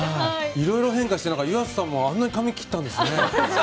色々変化して湯浅さんもあんなに髪を切ったんですね。